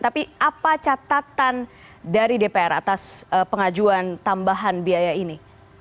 tapi apa catatan dari dpr atas pengajuan tambahan biaya ini